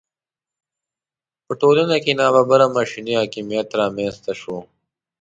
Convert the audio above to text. په ټولنه کې ناببره ماشیني حاکمیت رامېنځته شو.